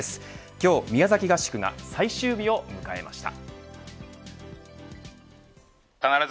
今日、宮崎合宿が最終日を迎えました。